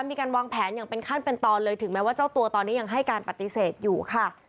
มีการวางแผนอย่างเป็นขั้นเป็นตอนเลยถึงแม้ว่าเจ้าตัวตอนนี้ยังให้การปฏิเสธอยู่ค่ะ